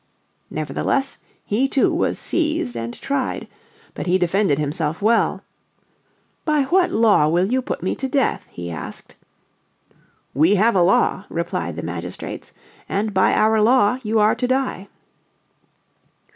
Nevertheless he too was seized and tried. But he defended himself well. By what law will you put me to death?" he asked. "We have a law," replied the magistrates, "and by our law you are to die."